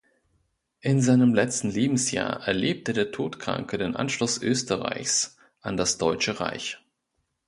In seinem letzten Lebensjahr erlebte der Todkranke den „Anschluss“ Österreichs an das Deutsche Reich.